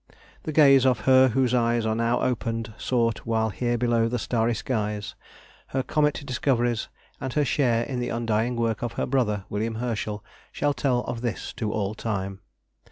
The gaze of Her whose eyes are now opened sought while here below the starry skies: her comet discoveries, and her share in the undying work of her Brother, William Herschel, shall tell of this to all time.